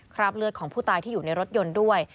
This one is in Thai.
คราบเลือดของผู้ตายที่อยู่ในรถยนต์ด้วย